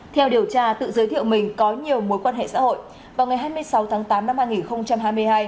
theo điều tra tự giới thiệu mình có nhiều mối quan hệ xã hội vào ngày hai mươi sáu tháng tám năm hai nghìn hai mươi hai